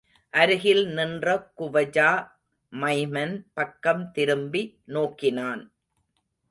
அருகில் நின்ற குவஜா மைமன் பக்கம் திரும்பி நோக்கினான்.